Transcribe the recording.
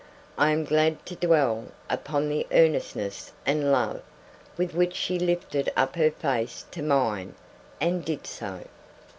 I am glad to dwell upon the earnestness and love with which she lifted up her face to mine, and did so.